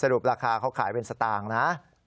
รุปราคาเขาขายเป็นสตางค์นะ